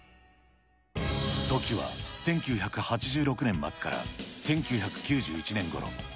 時は１９８６年末から１９９１年ごろ。